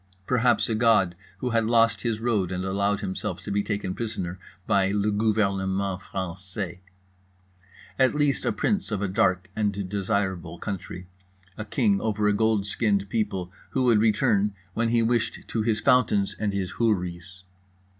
Perhaps a god who had lost his road and allowed himself to be taken prisoner by le gouvernement français. At least a prince of a dark and desirable country, a king over a gold skinned people who would return when he wished to his fountains and his houris.